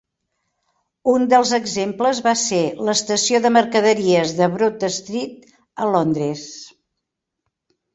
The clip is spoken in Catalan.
Un dels exemples va ser l'estació de mercaderies de Broad Street a Londres.